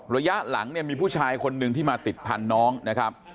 ระยะหลังเนี่ยมีผู้ชายคนหนึ่งที่มาติดพันธุ์น้องนะครับ